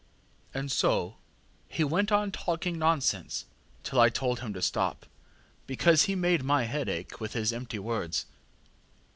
ŌĆÖ ŌĆ£And so he went on talking nonsense till I told him to stop, because he made my head ache with his empty words.